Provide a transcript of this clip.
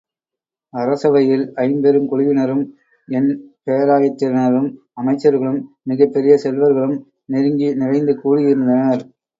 அரசவையில் ஐம்பெருங் குழுவினரும் எண் பேராயத்தினரும் அமைச்சர்களும், மிகப் பெரிய செல்வர்களும் நெருங்கி நிறைந்து கூடியிருந்தனர்.